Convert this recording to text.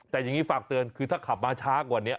แต่อย่างนี้ฝากเตือนคือถ้าขับมาช้ากว่านี้